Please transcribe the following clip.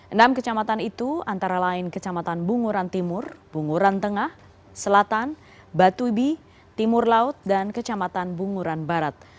enam kecamatan itu antara lain kecamatan bunguran timur bunguran tengah selatan batubi timur laut dan kecamatan bunguran barat